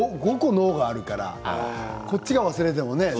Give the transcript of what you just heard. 脳があるからこっちが忘れてもね